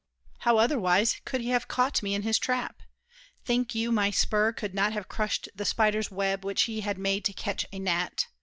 How otherwise Could he have caught me in his trap? Think you My spur could not have crushed the spider's web Which he had made to catch a gnat?